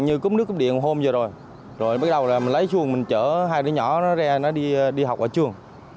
như cúp nước cúp điện hôm vừa rồi rồi bắt đầu là mình lấy chuồng mình chở hai đứa nhỏ ra đi học ở trường